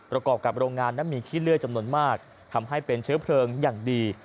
ประกอบกับโรงงานนั้นมีขี้เลื่อยจำนวนมากทำให้เป็นเชื้อเพลิงอย่างดี